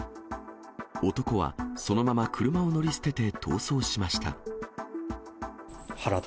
男はそのまま車を乗り捨てて逃走しました。